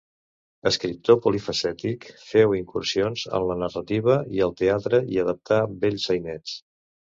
Escriptor polifacètic, féu incursions en la narrativa i el teatre i adaptà vells sainets.